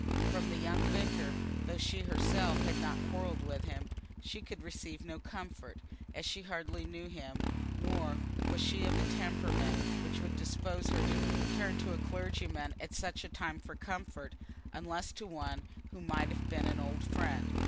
From the young vicar, though she herself had not quarrelled with him, she could receive no comfort, as she hardly knew him; nor was she of a temperament which would dispose her to turn to a clergyman at such a time for comfort, unless to one who might have been an old friend.